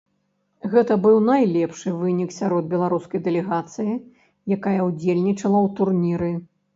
Гэта быў найлепшы вынік сярод беларускай дэлегацыі, якая ўдзельнічала ў турніры.